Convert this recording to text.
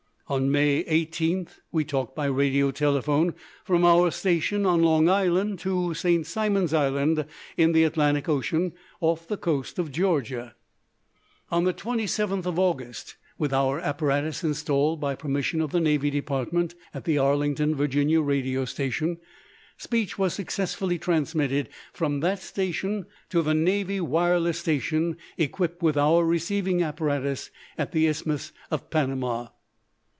On May 18th we talked by radio telephone from our station on Long Island to St. Simon Island in the Atlantic Ocean, off the coast of Georgia. On the 27th of August, with our apparatus installed by permission of the Navy Department at the Arlington, Virginia, radio station, speech was successfully transmitted from that station to the Navy wireless station equipped with our receiving apparatus at the Isthmus of Panama.